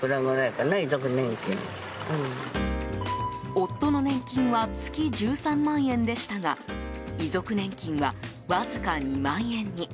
夫の年金は月１３万円でしたが遺族年金は、わずか２万円に。